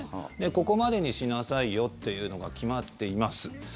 ここまでにしなさいよというのが決まっています。